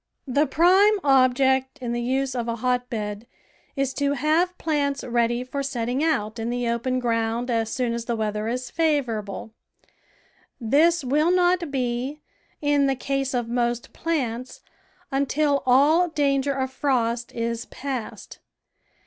The prime object in the use of a hotbed is to have plants ready for setting out in the open ground as soon as the weather is favourable; this THE VEGETABLE GARDEN will not be, in the case of most plants, until all danger of frost is passed.